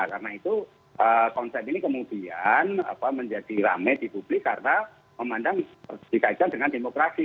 karena itu konsep ini kemudian menjadi rame di publik karena memandang tki jakarta dengan demokrasi